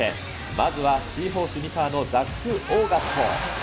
まずはシーホース三河のザック・オーガスト。